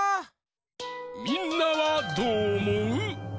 みんなはどうおもう？